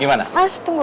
eh mas tunggu